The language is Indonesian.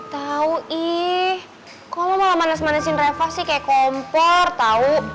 tau ih kok lo malah manes manesin reva sih kaya kompor tau